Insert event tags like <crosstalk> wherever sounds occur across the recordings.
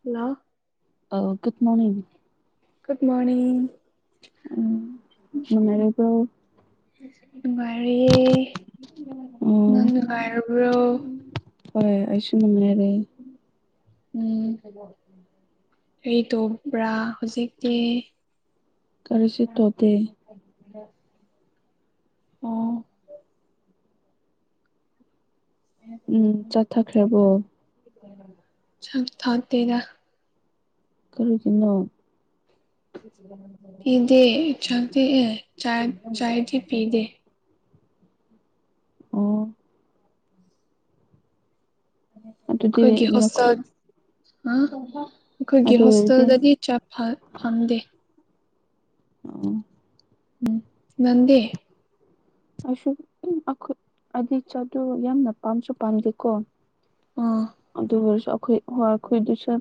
Hello ꯑꯧ good morning good morning ꯎꯝ ꯅꯨꯡꯉꯥꯏꯔꯤꯕ꯭ꯔꯣ? ꯅꯨꯡꯉꯥꯏꯔꯤꯌꯦ꯫ ꯅꯪ ꯎꯝ ꯅꯨꯡꯉꯥꯏꯔꯕ꯭ꯔꯣ? ꯍꯣꯏ ꯑꯩꯁꯨ ꯅꯨꯡꯉꯥꯏꯔꯦ ꯎꯝ <unintelligible> ꯀꯩ ꯇꯣꯕ꯭ꯔꯥ ꯍꯧꯖꯤꯛꯇꯤ? ꯀꯔꯤꯁꯨ ꯇꯧꯗꯦ꯫ ꯑꯣ ꯎꯝ ꯆꯥ ꯊꯥꯛꯈ꯭ꯔꯕꯣ? <unintelligible> ꯆꯛ ꯊꯛꯇꯦꯗ ꯀꯔꯤꯒꯤꯅꯣ? <unintelligible> ꯄꯤꯗꯦ ꯆꯛꯇꯤ ꯑꯦ ꯆꯥꯏ ꯆꯥꯏꯗꯤ ꯄꯤꯗꯦ ꯑꯣ ꯑꯗꯨꯗꯤ ꯑꯈꯣꯏꯒꯤ ꯅꯈꯣ ꯍꯣꯁꯇꯦꯜ ꯍꯥ ꯑꯩꯈꯣꯏꯒꯤ ꯑꯗꯨ ꯑꯣꯏꯔꯗꯤ ꯍꯣꯁꯇꯦꯜꯗꯗꯤ ꯆꯛ ꯐꯥꯗ ꯐꯪꯗꯦ ꯌꯣ ꯑꯣ ꯎꯝ ꯅꯟꯗꯤ? ꯑꯩꯁꯨ ꯗꯨꯝ ꯑꯩꯈꯣꯏ ꯍꯥꯏꯗꯤ ꯆꯥꯇꯨ ꯌꯥꯝꯅ ꯄꯥꯝꯁꯨ ꯄꯥꯝꯗꯦꯀꯣ ꯑꯥ ꯑꯗꯨ ꯑꯣꯏꯔꯁꯨ ꯑꯩꯈꯣꯏ ꯍꯣꯏ ꯑꯩꯈꯣꯏꯗꯨꯁꯦꯕ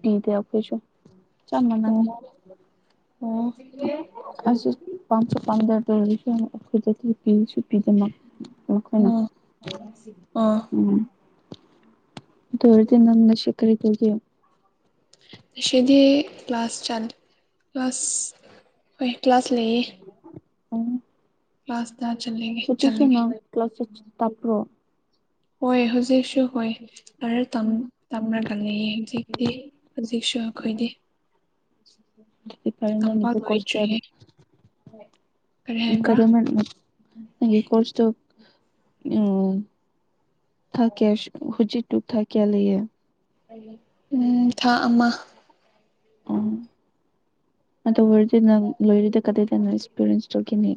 ꯄꯤꯗꯦ ꯑꯈꯣꯏꯁꯨ <unintelligible> ꯑꯣ <unintelligible> ꯑꯩꯁꯨ ꯄꯥꯝꯁꯨ ꯄꯥꯃꯗꯔꯗꯣ <unintelligible> ꯑꯈꯣꯏꯗꯗꯤ ꯄꯤꯁꯨ ꯄꯤꯗꯅ ꯃꯈꯣꯏꯅ ꯑꯣ ꯑꯣ ꯎꯝ ꯑꯗꯨ ꯑꯣꯏꯔꯗꯤ ꯅꯪ ꯉꯁꯤ ꯀꯔꯤ ꯇꯧꯒꯦꯝ? ꯉꯥꯁꯤꯗꯤ ꯀ꯭ꯂꯥꯁ ꯆꯠ ꯀ꯭ꯂꯥꯁ ꯍꯣꯏ ꯀ꯭ꯂꯥꯁ ꯂꯩꯌꯦ꯫ ꯎꯝ ꯀ꯭ꯂꯥꯁꯇ ꯆꯂꯦꯒꯦ ꯍꯧꯖꯤꯛꯁꯨ ꯆꯠꯂꯦꯒꯦ ꯅꯪ ꯀ꯭ꯂꯥꯁ ꯆꯥꯆꯤꯠ ꯇꯠꯄ꯭ꯔꯣ ꯍꯣꯏ ꯍꯧꯖꯤꯛꯁꯨ ꯍꯣꯏ ꯂꯥꯏꯔꯤꯛ ꯇꯝ ꯇꯝꯔꯒꯥ ꯂꯩꯌꯦ ꯍꯧꯖꯤꯛꯇꯤ ꯍꯧꯖꯤꯛꯁꯨ ꯑꯩꯈꯣꯏꯗꯤ ꯑꯗꯨꯗꯤ ꯐꯩꯌꯦ ꯇꯝꯕ ꯅꯪꯒꯤꯗꯨ ꯀꯣꯁ ꯀꯦꯟ ꯂꯣꯏꯗ꯭ꯔꯤꯌꯦ ꯀꯔꯤ ꯍꯥꯏꯕ꯭ꯔꯥ ꯀꯗ ꯃꯅꯦ ꯅꯪꯒꯤ ꯀꯣꯁꯇꯨ ꯎꯝ ꯊꯥ ꯀꯦꯁ ꯍꯨꯖꯤꯛꯇꯨ ꯊꯥ ꯀꯌꯥ ꯂꯩꯌꯦ ꯎꯝ ꯊꯥ ꯑꯃ ꯑꯣ ꯑꯗꯨ ꯑꯣꯏꯔꯗꯤ ꯅꯪ ꯂꯣꯏꯔꯦꯗ ꯀꯗꯥꯢꯗ ꯅꯣ ꯑꯦꯛꯁꯄꯤꯔꯤꯌꯦꯟꯁ ꯇꯨꯒꯤꯅꯤ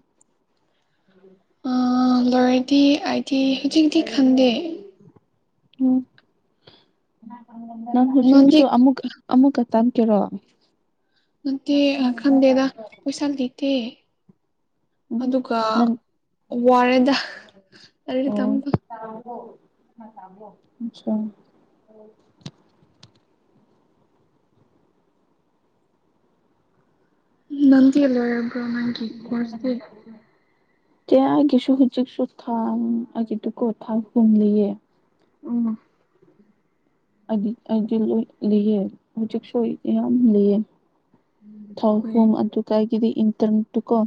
ꯑꯤ ꯂꯣꯏꯔꯗꯤ ꯑꯩꯗꯤ ꯍꯨꯖꯤꯛꯇꯤ ꯈꯪꯗꯦ ꯑꯣ ꯅꯪ ꯅꯪꯗꯤ ꯍꯨꯖꯤꯛꯁꯨ ꯑꯃꯨꯛꯀ ꯑꯃꯨꯛꯀ ꯇꯥꯟꯀꯦꯔꯣ ꯅꯠꯇꯦ ꯑꯥ ꯈꯪꯗꯦꯗ ꯄꯩꯁꯥ ꯂꯤꯇꯦ ꯎꯝ ꯑꯗꯨꯒ ꯅꯪ ꯋꯥꯔꯦꯗ ꯂꯥꯢꯔꯤꯛ ꯑꯣ ꯇꯝꯕ <unintelligible> ꯑꯆꯥ ꯅꯪꯗꯤ ꯂꯣꯢꯔꯕ꯭ꯔꯣ ꯅꯪꯒꯤ ꯀꯣꯔ꯭ꯁꯗꯤ ꯀ꯭ꯌꯥꯒꯤꯁꯨ ꯍꯧꯖꯤꯛꯁꯨ ꯊꯥꯡ ꯑꯩꯒꯤꯗꯨ ꯀꯣ ꯊꯥꯡ ꯍꯨꯝꯂꯤꯌꯦ ꯎꯝ ꯑꯩꯗꯤ ꯑꯩꯗꯤ ꯂꯤ ꯂꯩꯑ ꯍꯧꯖꯤꯛꯁꯨ ꯌꯥꯝ ꯂꯩꯌꯦ ꯍꯣꯏ ꯊꯥꯎꯍꯨꯝ ꯑꯗꯨ ꯀꯥꯏꯒꯤꯗꯤ ꯏꯟꯇ꯭ꯔꯟꯠꯇꯨ ꯀꯣ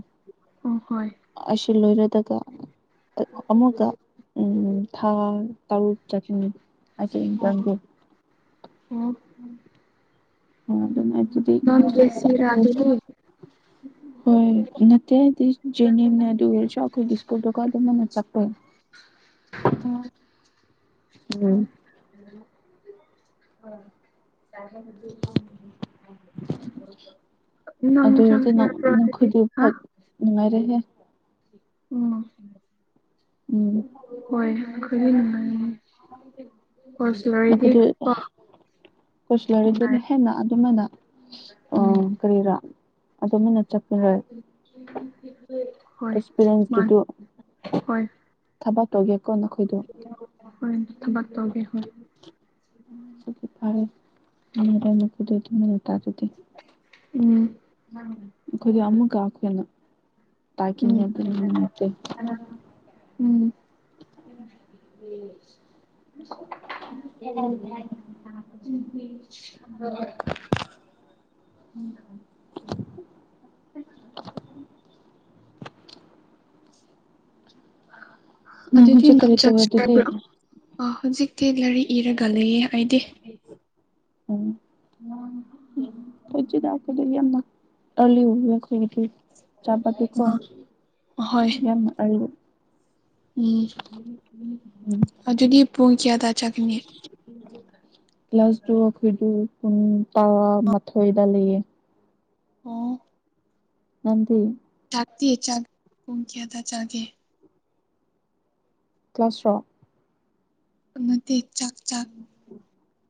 ꯑꯣ ꯍꯣꯏ ꯑꯁꯤ ꯂꯣꯏꯔꯗꯒ <unintelligible> ꯑꯃꯨꯒ ꯎꯝ ꯊꯥ ꯇꯔꯨꯛ ꯆꯠꯀꯅꯤ ꯑꯩꯀꯤ ꯏꯟꯇ꯭ꯔꯟꯗꯣ ꯎꯝ ꯑꯣ ꯑꯗꯣ ꯃꯥꯏꯗꯨꯗꯤ ꯅꯪꯒꯤ ꯁꯤꯔꯥ ꯑꯗꯨ <unintelligible> ꯍꯣꯏ ꯅꯠꯇꯦ ꯍꯥꯏꯗꯤ ꯖꯦꯅꯨꯏꯟꯅꯦ ꯑꯗꯨ ꯑꯣꯢꯔꯁꯨ ꯑꯈꯣꯏꯒꯤ ꯁ꯭ꯀꯨꯜꯗꯀꯣ ꯑꯗꯨꯝ ꯃꯥꯅ ꯑꯆꯥꯄꯣꯠ ꯑꯣ ꯎꯝ <inaudible> ꯆꯥꯖꯅꯤꯡꯗꯦ <unintelligible> ꯑꯗꯨ ꯑꯣꯏꯔꯗꯤ ꯆꯪꯁꯨ ꯅꯪ ꯌꯥꯕ꯭ꯔꯣ ꯑꯗꯨꯗꯤ ꯅꯈꯣꯏꯗꯨ ꯍꯥ ꯐꯠ ꯅꯨꯡꯉꯥꯏꯔꯦꯍꯦ ꯎꯝ ꯎꯝ ꯍꯣꯏ ꯑꯩꯈꯣꯏꯗꯤ ꯅꯨꯡꯉꯥꯏ <unintelligible> ꯀꯣ <unintelligible> ꯑꯁ ꯅꯨꯡꯉꯥꯏ <unintelligible> ꯍꯦꯟꯅ ꯑꯗꯨꯃꯥꯏꯅ ꯑꯥ ꯎꯝ ꯀꯔꯤꯔꯥ ꯑꯗꯨꯃꯥꯏꯅ ꯆꯠꯄꯤꯔꯣꯏ ꯍꯣꯏ ꯃꯥꯅꯤ ꯑꯦꯛꯁꯄꯤꯔꯤꯌꯦꯟꯁꯀꯤꯗꯨ ꯍꯣꯏ ꯊꯕꯛ ꯇꯧꯒꯦꯀꯣ ꯅꯈꯣꯏꯗꯣ ꯍꯣꯏ ꯊꯕꯛ ꯇꯧꯒꯦ ꯍꯣꯏ <unintelligible> ꯐꯔꯦ <unintelligible> ꯇꯗꯤ ꯎꯝ ꯑꯩꯈꯣꯏꯗꯤ ꯑꯃꯨꯛꯀ ꯑꯈꯣꯏꯅ ꯇꯥꯛꯈꯤꯅꯦ ꯎꯝ ꯑꯗꯨ <unintelligible> ꯅꯠꯇꯦ ꯎꯝ <unintelligible> ꯑꯗꯨꯗꯤ ꯍꯧꯖꯤꯛ ꯅꯪ ꯀꯔꯤ ꯇꯧꯔꯦ <unintelligible> ꯑꯗꯨꯗꯤ ꯕ꯭ꯔꯣ ꯑ ꯍꯨꯖꯤꯛꯇꯤ ꯂꯥꯏꯔꯤꯛ ꯏꯔꯒ ꯂꯩꯌꯦ ꯑꯩꯗꯤ ꯎꯝ <unintelligible> ꯌꯥꯝꯃ ꯑꯔꯂꯤ ꯎꯏꯌꯦ ꯈꯣꯏꯒꯤꯗꯤ ꯆꯥꯕꯗꯤꯀꯣ ꯑꯍꯣꯏ ꯌꯥꯝꯅ ꯑꯔꯂꯤ ꯎꯝ ꯎꯝ ꯑꯗꯨꯗꯤ ꯄꯨꯡ ꯀ꯭ꯌꯥꯗ ꯆꯠꯀꯅꯤ꯫ ꯀ꯭ꯂꯥꯁꯇꯨ ꯑꯈꯣꯏꯗꯨ ꯄꯨꯡ ꯇꯥꯔꯥꯃꯊꯣꯏꯗ ꯂꯩꯌꯦ꯫ ꯑꯣ ꯅꯪꯗꯤ ꯆꯥꯛꯇꯤ ꯆꯥꯛ ꯄꯨꯡ ꯀꯌꯥꯗ ꯆꯥꯒꯦ꯫ ꯀ꯭ꯂꯥꯁꯔꯣ ꯑ ꯅꯠꯇꯦ ꯆꯥꯛ-ꯆꯥꯛ <inaudible>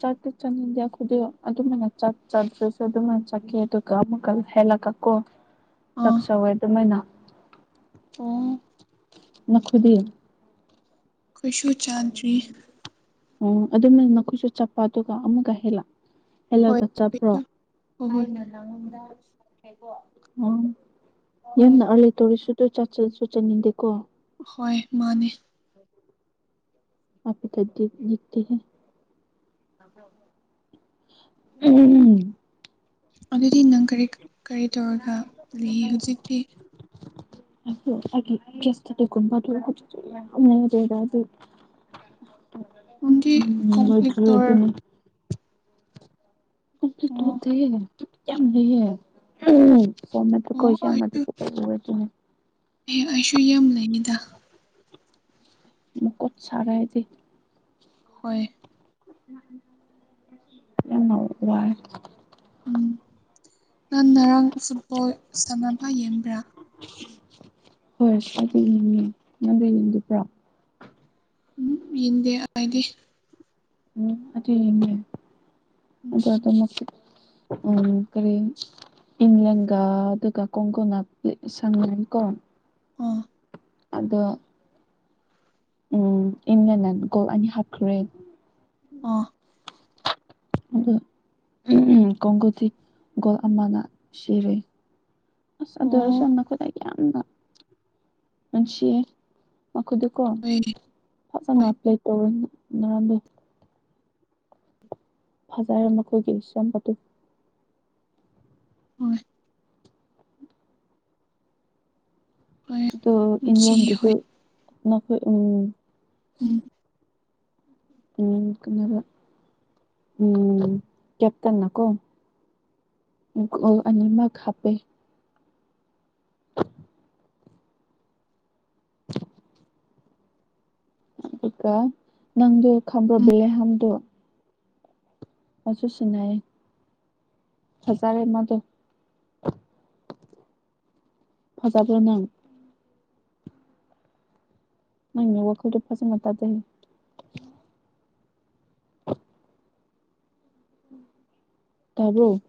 ꯆꯥꯛꯇꯤ ꯆꯥꯅꯤꯡꯗꯦ ꯑꯈꯣꯏꯗꯤ ꯑꯗꯨꯃꯥꯏꯅ ꯆꯥꯛ ꯆꯥꯗ꯭ꯔꯁꯨ ꯑꯗꯨꯃꯥꯏꯅ ꯆꯠꯈꯤ ꯑꯗꯨꯞ ꯀꯃꯀꯜ ꯍꯦꯜꯂꯒꯀꯣ <inaudible> ꯆꯛ ꯁꯧꯋꯦ ꯑꯗꯨꯃꯥꯏꯅ ꯎꯝ ꯅꯈꯨꯗꯤ ꯈꯣꯏꯁꯨ ꯆꯥꯗ꯭ꯔꯤꯌꯦ ꯑꯣ ꯑꯗꯨꯃꯥꯏꯅ ꯈꯣꯏꯁꯨ ꯆꯠꯄ ꯑꯇꯨꯀ ꯑꯃꯨꯛꯒ ꯍꯦꯜꯂ-ꯍꯦꯜꯂꯒ <unintelligible> ꯍꯣꯏ ꯌꯝꯅ ꯑꯥꯔꯂꯤ ꯇꯧꯔꯁꯨ ꯇꯨ ꯆꯥꯛ ꯆꯥꯁꯨ ꯆꯥꯅꯤꯡꯗꯦꯀꯣ꯫ ꯍꯣꯏ ꯃꯥꯅꯦ ꯑꯄꯨꯇꯠꯗꯤ ꯅꯤꯠꯇꯦꯍꯦ ꯇꯥꯕ꯭ꯔꯣ ꯎꯝ ꯑꯗꯨꯗꯤ ꯅꯪ ꯀꯔꯤ ꯀ ꯀꯔꯤ ꯇꯧꯔꯒ ꯂꯩꯌꯦ ꯍꯨꯖꯤꯛꯇꯤ꯫ <unintelligible> ꯉꯟꯗꯤ ꯎꯝ ꯀꯝꯄ꯭ꯂꯤꯛ ꯂꯣꯏꯗ꯭ꯔꯤ ꯇꯧꯔꯦ ꯑꯗꯨꯅꯤ ꯀꯝꯄ꯭ꯂꯤꯛ ꯑꯣ ꯇꯧꯗꯦ ꯌꯥꯝ ꯂꯩꯌꯦ ꯑꯣ ꯑꯩꯁꯨ <unintelligible> <unintelligible> ꯑꯦ ꯑꯩꯁꯨ ꯌꯥꯝ ꯂꯩꯅꯤꯗ ꯃꯀꯣꯠ ꯁꯔꯥꯏꯗꯤ ꯍꯣꯏ ꯌꯝꯅ ꯋꯥꯏ ꯎꯝ ꯅꯟ ꯅꯔꯥꯡ ꯏꯁꯁꯥꯕꯣꯏ ꯁꯥꯟꯅꯕ ꯌꯦꯟꯕ꯭ꯔꯥ꯫ ꯍꯣꯏ ꯉꯠꯇꯥ ꯌꯦꯡꯉꯦ ꯅꯪꯗꯤ ꯌꯦꯡꯗꯕ꯭ꯔꯥ꯫ ꯎꯝ ꯌꯦꯟꯗꯦ ꯑꯩꯗꯤ ꯎꯝ ꯑꯗꯨꯏꯅꯤꯅꯦ ꯎꯝ ꯑꯗꯣ ꯑꯗꯨꯃꯛ ꯎꯝ ꯀꯔꯤ ꯏꯪꯂꯦꯟꯒꯥ ꯑꯗꯨꯒ ꯀꯣꯡꯒꯣꯟꯅ ꯄ꯭ꯂꯤꯛ ꯁꯥꯟꯅꯩꯀꯣ꯫ ꯑꯣꯥ ꯑꯗꯣ ꯎꯝ ꯏꯪꯂꯦꯟꯅ ꯒꯣꯜ ꯑꯅꯤ ꯍꯞꯈ꯭ꯔꯦ꯫ ꯑꯣ ꯑꯗꯨ ꯎꯝ ꯀꯣꯡꯒꯣꯗꯤ ꯒꯣꯜ ꯑꯃꯅ ꯁꯤꯔꯦ꯫ ꯑꯁ ꯑꯣ ꯑꯗꯨꯑꯣꯏꯔꯁꯨ ꯅꯈꯣꯏꯗ ꯌꯥꯝꯅ ꯅꯨꯡꯁꯤꯌꯦ ꯃꯈꯣꯏꯗꯨꯀꯣ ꯑꯣꯏꯅꯦ ꯐꯖꯟꯅ ꯄ꯭ꯂꯦꯠ ꯇꯧꯔꯅꯤ ꯅꯔꯥꯟꯗꯤ ꯐꯖꯔꯦ ꯃꯈꯣꯏꯒꯤ ꯁꯦꯝꯄꯇꯨ <unintelligible> ꯍꯣꯏ ꯑꯗꯣ ꯅꯨꯡꯁꯤꯌꯦ ꯏꯪꯔꯦꯟꯒꯤꯗꯨ ꯍꯣꯏ ꯅꯈꯣꯏ ꯎꯝ <unintelligible> ꯎꯝ ꯀꯅꯔꯥ ꯎꯝ ꯀꯦꯞꯇꯦꯟꯅꯀꯣ ꯒꯣꯜ ꯑꯅꯤꯃꯛ ꯍꯥꯞꯄꯦ ꯑꯗꯨꯒ ꯅꯪꯗꯣ ꯈꯪꯕꯔꯥ ꯕꯦꯂꯦꯍꯝꯗꯣ ꯃꯁꯨ ꯁꯦꯅꯥꯏꯌ ꯐꯖꯔꯦ ꯃꯥꯗꯣ ꯐꯖꯕꯔꯥ ꯅꯪ ꯅꯪꯅ ꯋꯥꯈꯜꯗꯣ ꯐꯖꯅ ꯇꯥꯗꯦ ꯇꯥꯕꯔꯣ?